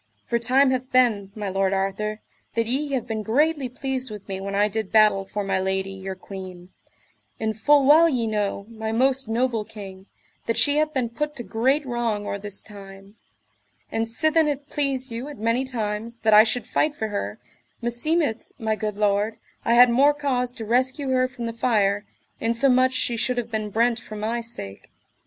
For time hath been, my lord Arthur, that ye have been greatly pleased with me when I did battle for my lady, your queen; and full well ye know, my most noble king, that she hath been put to great wrong or this time; and sithen it pleased you at many times that I should fight for her, meseemeth, my good lord, I had more cause to rescue her from the fire, insomuch she should have been brent for my sake.